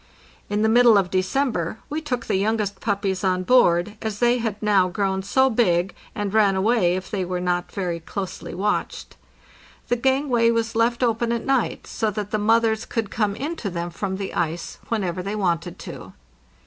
In the middle of December we took the youngest puppies on board, as they had now grown so big, and ran away if they were not very closely watched. The gangway was left open at WORKSHOP ON DECK. JULY, 1895 AUGUST 15 TO JANUARY 1, 1896 601 night so that the mothers could come into them from the ice whenever they wanted to.